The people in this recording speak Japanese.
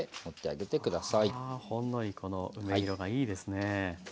あほんのりこの梅色がいいですね。